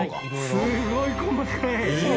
すごい細かい。